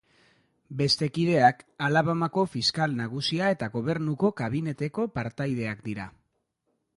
Beste kideak Alabamako Fiskal Nagusia eta gobernuko kabineteko partaideak dira.